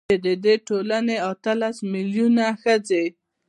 چـې د دې ټـولـنې اتـلس مـيلـيونـه ښـځـې .